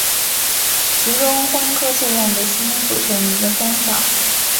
其中三颗最亮的星组成一个三角。